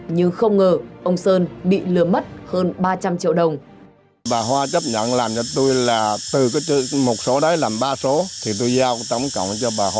nhưng không ngờ ông sơn bị lừa mất hơn ba trăm linh triệu đồng